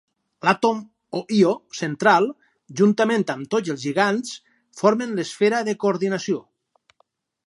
L'àtom o ió central, juntament amb tots els lligands, formen l'esfera de coordinació.